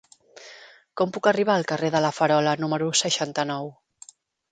Com puc arribar al carrer de La Farola número seixanta-nou?